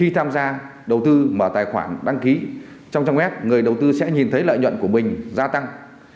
trong số bốn mươi năm trang web người đầu tư sẽ nhìn thấy lợi nhuận của mình gia tăng